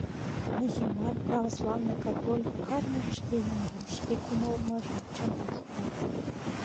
Мусульман, православный, католик — кажныже шке юмыжым, шке кумалмыжым чынлан шотлен.